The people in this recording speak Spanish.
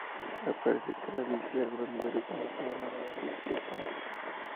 Aparece Kravitz y algunas mujeres desnudas de una manera artística y significativa.